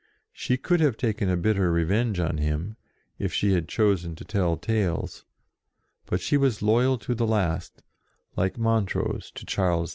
She could have taken a bitter revenge on him, if she had chosen to tell tales; but she was loyal to the last, like Montrose to Charles II.